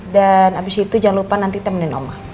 abis itu jangan lupa nanti temenin oma